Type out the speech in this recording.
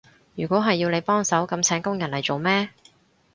如果係要你幫手，噉請工人嚟做咩？